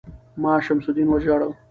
ـ ما شمس الدين ژاړو